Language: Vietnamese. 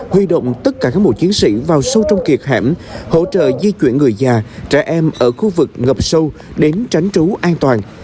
huy động tất cả các bộ chiến sĩ vào sâu trong kiệt hẻm hỗ trợ di chuyển người già trẻ em ở khu vực ngập sâu đến tránh trú an toàn